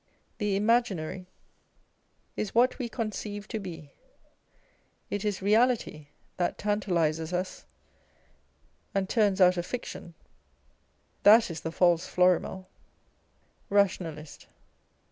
The imaginary is what we conceive to be : it is reality that tantalises us and turns out a fiction â€" that is the false Florimel ! Rationalist.